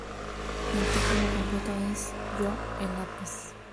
El título completo es "Yo, el lápiz.